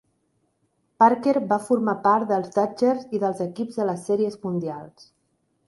Parker va formar part dels Dodgers i dels equips de les Sèries Mundials.